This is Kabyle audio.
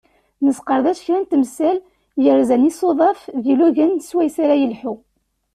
Nesqerdec kra n temsal yerzan isuḍaf d yilugan i swayes ara yelḥu.